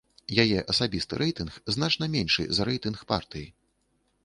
Яе асабісты рэйтынг значна меншы за рэйтынг партыі.